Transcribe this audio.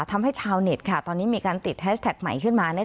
ทำให้ชาวเน็ตตอนนี้มีการติดแฮชแท็กใหม่ขึ้นมา